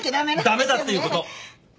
駄目だっていうこと。